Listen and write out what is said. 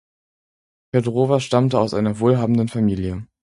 Petrowa stammte aus einer wohlhabenden Familie.